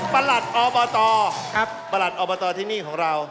ประหลัดออบตประหลัดออบตที่นี่ของเรา